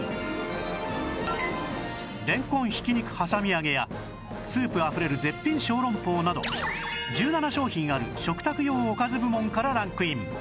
れんこんひき肉はさみ揚げやスープ溢れる絶品小籠包など１７商品ある食卓用おかず部門からランクイン